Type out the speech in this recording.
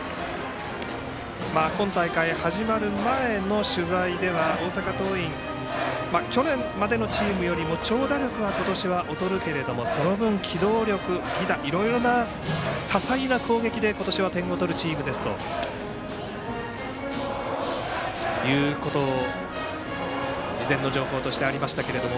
今大会、始まる前の取材では大阪桐蔭、去年までのチームより長打力は劣るけどもその分、機動力、犠打多彩な攻撃で今年は点を取るチームですということが事前の情報としてありましたが。